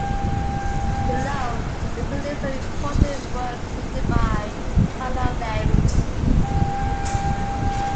Below is a list of important works written by Carlo Levi.